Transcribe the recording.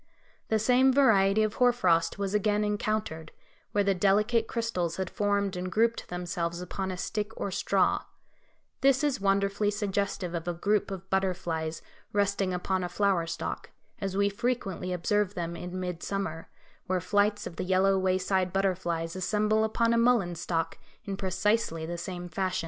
The same variety of hoar frost was again encountered, where the delicate crystals had formed and grouped themselves upon a stick or straw; this is wonderfully suggestive of a group of butterflies resting upon a flower stalk, as we frequently observe them in mid summer, where flights of the yellow wayside butterflies assemble upon a mullein stalk in precisely the same fashion.